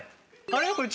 あれ？